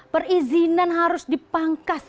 perizinan harus dipangkas